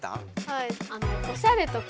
はい。